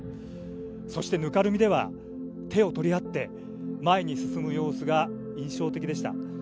そしてぬかるみでは手を取り合って、前に進む様子が印象的でした。